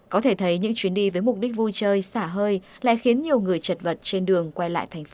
có thể thấy những chuyến đi với mục đích vui chơi xả hơi lại khiến nhiều người chật vật trên đường quay lại thành phố